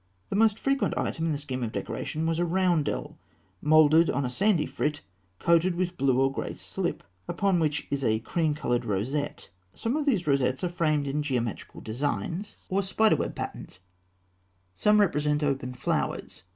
] The most frequent item in the scheme of decoration was a roundel moulded of a sandy frit coated with blue or grey slip, upon which is a cream coloured rosette (fig. 237). Some of these rosettes are framed in geometrical designs (fig. 238) or spider web patterns; some represent open flowers.